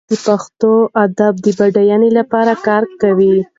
دی د پښتو ادب د بډاینې لپاره کار کوي.